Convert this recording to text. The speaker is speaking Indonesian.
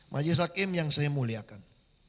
majelis hakim yang saya muliakan